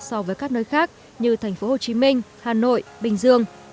so với các nơi khác như thành phố hồ chí minh hà nội bình dương